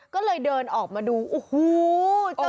ก็เลยเดินออกมาดูโอ้โห